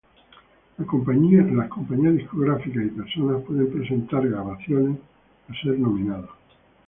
Las compañías discográficas y personas pueden presentar grabaciones a ser nominados.